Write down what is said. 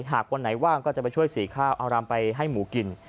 หากวันไหนว่างก็จะไปช่วยสีข้าวเอารำไปให้หมูกิน